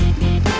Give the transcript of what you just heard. ya itu dia